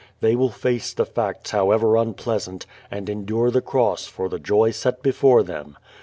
They will face the facts however unpleasant and endure the cross for the joy set before them.